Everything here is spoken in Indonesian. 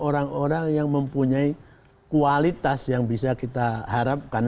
orang orang yang mempunyai kualitas yang bisa kita harapkan